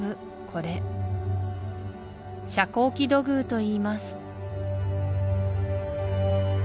これ遮光器土偶といいます